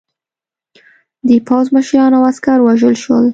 د پوځ مشران او عسکر ووژل شول.